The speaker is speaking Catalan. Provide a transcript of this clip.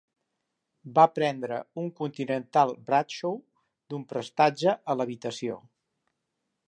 Va prendre un Continental Bradshaw d'un prestatge a la habitació.